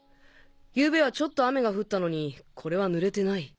ゆうべはちょっと雨が降ったのにこれは濡れてない。